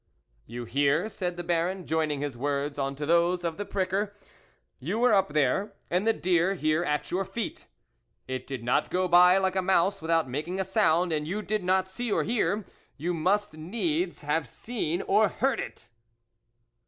" You hear ?" said the Baron, joining his words on to those of the pricker, " you were up there, and the deer here at your feet. It did not go by like a mouse with out making any sound, and you did not see or hear. You must needs have seen or heard it